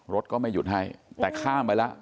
รถก็ไม่หยุดให้แต่ข้ามไปแล้ว